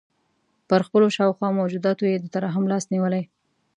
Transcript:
پر خپلو شاوخوا موجوداتو یې د ترحم لاس نیولی.